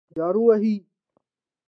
جارو وهي.